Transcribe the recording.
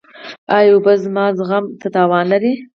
ایا اوبه زما زخم ته تاوان لري؟